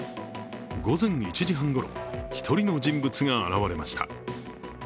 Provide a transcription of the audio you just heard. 午前１時半ごろ、１人の人物が現れました。